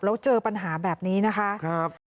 แล้วเจอปัญหาแบบนี้นะคะ